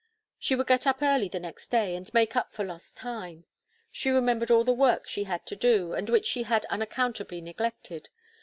She would get up early the next day, and make up for lost time. She remembered all the work she had to do, and which she had unaccountably neglected.